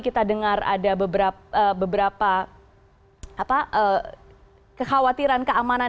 kita dengar ada beberapa kekhawatiran keamanan